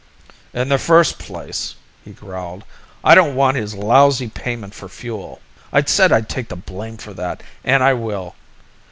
"In the first place," he growled, "I don't want his lousy payment for fuel. I said I'd take the blame for that, an' I will.